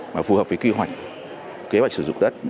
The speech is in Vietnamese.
mà phù hợp với quy hoạch kế hoạch sử dụng đất